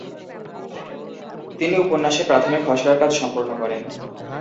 তিনি উপন্যাসের প্রাথমিক খসড়ার কাজ সম্পূর্ণ করেন।